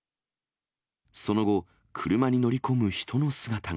その後、車に乗り込む人の姿が。